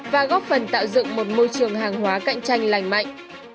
và góp phần tạo dựng một môi trường hàng hóa cạnh tranh lành mạnh